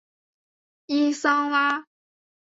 伊桑拉。